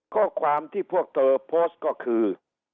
ข้อความที่พวกเธอโพสต์ก็คือ